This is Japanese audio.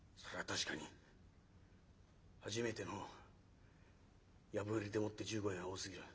確かに初めての藪入りでもって１５円は多すぎる」。